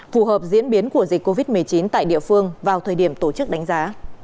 phù hợp diễn biến của dịch covid một mươi chín tại địa phương vào thời điểm tổ chức đánh giá